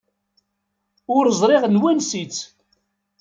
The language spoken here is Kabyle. Ur ẓriɣ n wansi-tt.